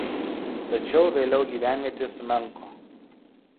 Tačiau vėliau gyvenvietė sumenko.